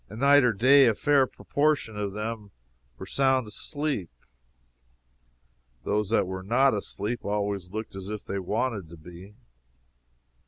And night or day a fair proportion of them were sound asleep. Those that were not asleep always looked as if they wanted to be.